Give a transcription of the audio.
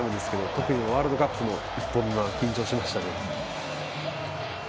特にワールドカップの１本目は緊張しましたね。